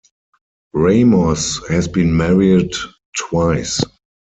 Ramos has been married twice.